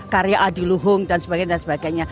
karya adiluhung dan sebagainya